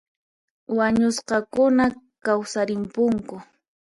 Wañusqakuna kawsarimpunku